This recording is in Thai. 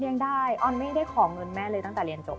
ได้ออนไม่ได้ขอเงินแม่เลยตั้งแต่เรียนจบ